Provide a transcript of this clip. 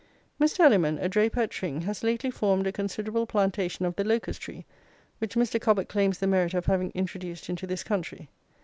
"Mr. Elliman, a draper at Tring, has lately formed a considerable plantation of the locust tree, which Mr. Cobbett claims the merit of having introduced into this country.